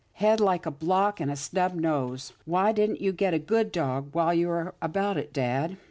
Head like a block, and a snub nose. Why didn't you get a good dog, while you were about it, dad